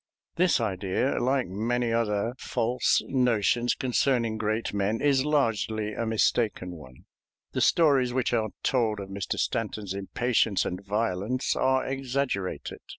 This idea, like many other false notions concerning great men, is largely a mistaken one. The stories which are told of Mr. Stanton's impatience and violence are exaggerated.